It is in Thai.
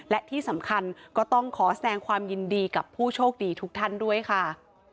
และที่สำคัญก็ต้องขอแสดงความยินดีกับผู้โชคดีทุกท่านด้วยค่ะ